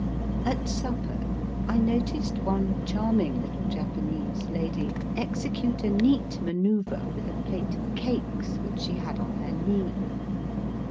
At supper I noticed one charming little Japanese lady execute a neat manoeuvre with a plate of cakes which she had on her knee.